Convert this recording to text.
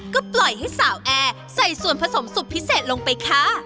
ก็ปล่อยให้สาวแอร์ใส่ส่วนผสมสุดพิเศษลงไปค่ะ